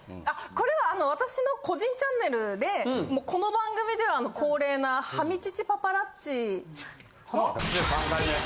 これは私の個人チャンネルでこの番組では恒例な『ハミ乳パパラッチ』。